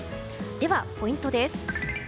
では、ポイントです。